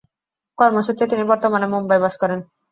কর্মসূত্রে তিনি বর্তমানে মুম্বই বসবাস করেন।